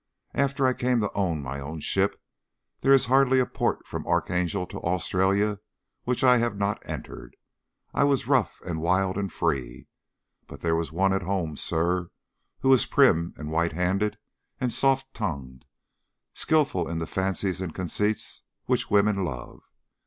After I came to own my own ship there is hardly a port from Archangel to Australia which I have not entered. I was rough and wild and free, but there was one at home, sir, who was prim and white handed and soft tongued, skilful in little fancies and conceits which women love.